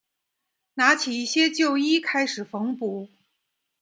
拿起一些旧衣开始缝补